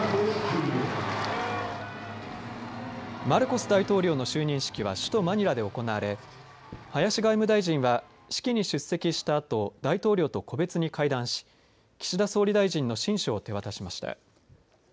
マルコス大統領の就任式は首都マニラで行われ林外務大臣は式に出席したあと大統領と個別に会談し岸田総理大臣の親書を手渡しました。